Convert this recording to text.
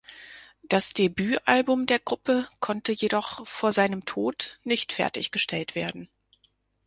Das Debütalbum der Gruppe konnte jedoch vor seinem Tod nicht fertiggestellt werden.